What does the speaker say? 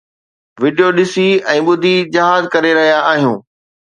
video ڏسي ۽ ٻڌي جهاد ڪري رهيا آهيو